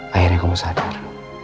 akhirnya kamu sadar